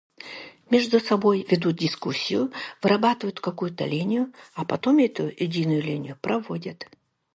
Между собой ведут дискуссию, вырабатывают какую-то линию, а потом эту единую линию проводят.